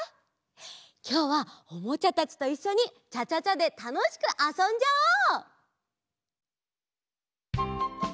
きょうはおもちゃたちといっしょにチャチャチャでたのしくあそんじゃおう！